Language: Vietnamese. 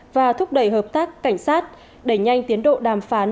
và thúc đẩy hợp tác cảnh sát đẩy nhanh tiến độ đàm phán